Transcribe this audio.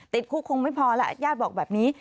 ติดคุกคงไม่พอแล้วญาติบอกแบบนี้